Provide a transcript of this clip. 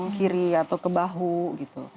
kiri atau ke bahu gitu